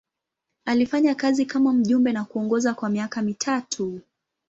Alifanya kazi kama mjumbe na kuongoza kwa miaka mitatu.